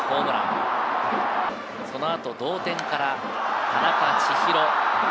そのあと同点から田中千晴。